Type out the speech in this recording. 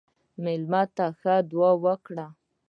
مېلمه ته ښه دعا وکړه.